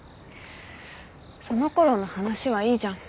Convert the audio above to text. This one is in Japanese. そのころの話はいいじゃん。